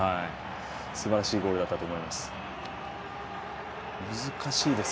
すばらしいゴールだったと思います。